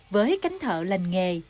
với cánh thợ lành nghề